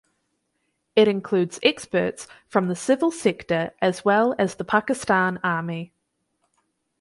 It includes experts from the civil sector as well as the Pakistan Army.